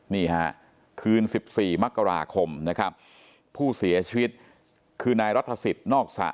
นี่ฮะคืน๑๔มกราคมนะครับผู้เสียชีวิตคือนายรัฐศิษย์นอกสระ